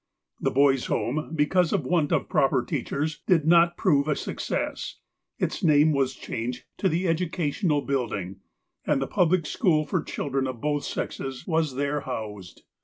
The Boys' Home, because of want of proper teachers, did not prove a success, its name was changed to the " educational building," and the public school for children of both sexes was there housed.